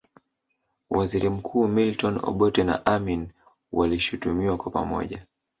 Waziri mkuu Milton Obote na Amin walishutumiwa kwa pamoja